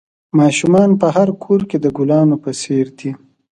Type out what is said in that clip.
ماشومان په هر کور کې د گلانو په څېر دي.